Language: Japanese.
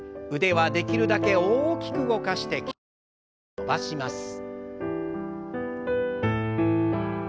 腕はできるだけ大きく動かして筋肉をよく伸ばします。